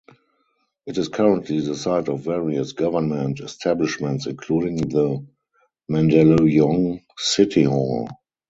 It is currently the site of various government establishments including the Mandaluyong City Hall.